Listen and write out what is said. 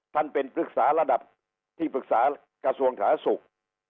ท่านเป็นปรึกษาระดับที่ปรึกษากระทรวงสาธารณสุข